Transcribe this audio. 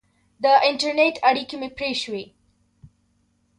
د انټرنېټ اړیکه مې پرې شوې.